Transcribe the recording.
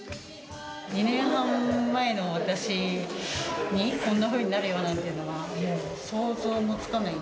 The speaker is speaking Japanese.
２年半前の私に、こんなふうになるよなんていうのはもう想像もつかない。